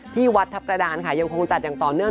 ที่วัดทัพกระดานค่ะยังคงจัดอย่างต่อเนื่อง